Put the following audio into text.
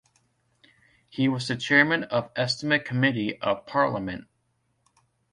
He was the Chairman of Estimate committee of Parliament.